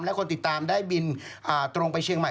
และคนติดตามได้บินตรงไปเชียงใหม่